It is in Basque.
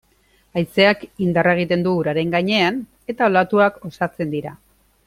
Haizeak indarra egiten du uraren gainean eta olatuak osatzen dira.